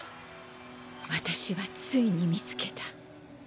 私はついに見つけた。